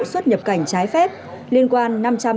xuất nhập cảnh trái phép liên quan